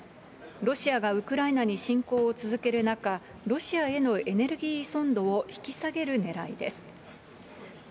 ロシアがウクライナに侵攻を続ける中、ロシアへのエネルギー依存度を引き下げるねらいです。